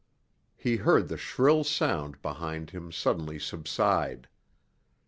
He heard the shrill sound behind him suddenly subside.